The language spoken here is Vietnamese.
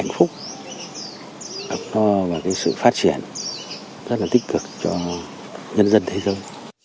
phát triển rất là tích cực cho nhân dân thế giới